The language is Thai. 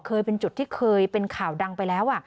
เคยเป็นจุดที่เคยเป็นข่าวดังไปแล้ว